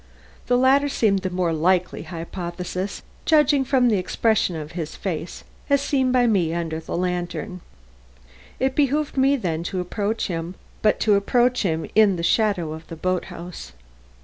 The latter seemed the more likely hypothesis, judging from the expression of his face, as seen by me under the lantern. It behooved me then to approach him, but to approach him in the shadow of the boat house.